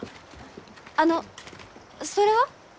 あのそれは？